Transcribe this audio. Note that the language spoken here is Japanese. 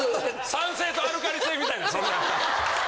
酸性とアルカリ性みたいなそれアカン。